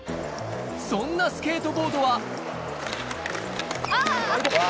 そんなスケートボードはあぁ！